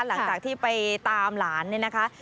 หลังจากที่ไปตามหลานเนี่ยนะคะ